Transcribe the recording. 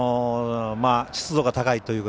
湿度が高いというか